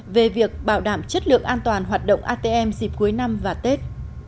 về việc bảo đảm chất lượng an toàn hoạt động atm dịp cuối năm và tết